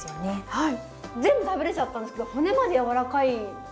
はい。